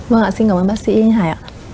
vâng ạ xin cảm ơn bác sĩ hải ạ